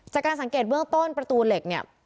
จากการสังเกตเบื้องต้นประตูเหล็กเนี่ย